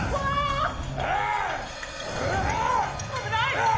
危ない！